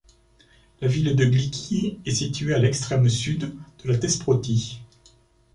La ville de Glyki est située à l'extrême Sud de la Thesprotie.